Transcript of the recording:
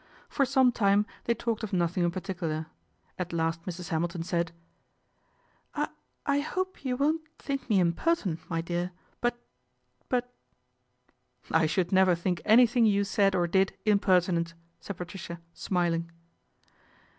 For some time they talked of nothing in particu lar. At last Mrs. Hamilton said :" I I hope you won't think me impertinent, my dear ; but but "" I should never think anything you said or did impertinent," said Patricia, smiling.